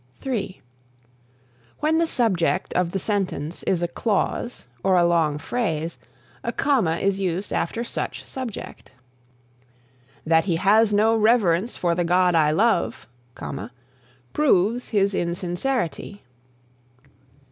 '" (3) When the subject of the sentence is a clause or a long phrase, a comma is used after such subject: "That he has no reverence for the God I love, proves his insincerity."